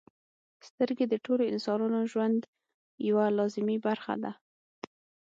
• سترګې د ټولو انسانانو ژوند یوه لازمي برخه ده.